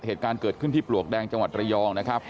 เหตุการณ์เกิดขึ้นที่ปลวกแดงจังหวัดระยองนะครับ